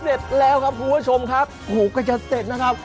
เสร็จแล้วครับคุณผู้ชมครับหูก็จะเสร็จนะครับ